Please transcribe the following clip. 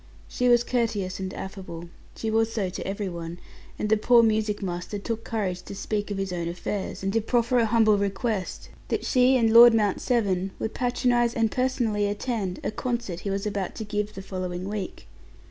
She was courteous and affable she was so to every one and the poor music master took courage to speak of his own affairs, and to prefer a humble request that she and Lord Mount Severn would patronize and personally attend a concert he was about to give the following week.